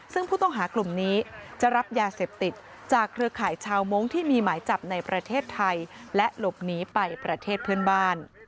ซึ่งผู้ต้องหากลุ่มนี้จะรับยาเสพติดจากเครือข่ายชาวมงค์ที่มีหมายจับในประเทศไทยและหลบหนีไปประเทศเพื่อนบ้าน